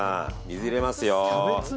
水入れますよ。